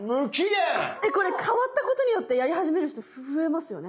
これ変わったことによってやり始める人増えますよね？